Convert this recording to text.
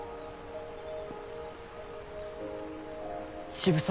渋沢。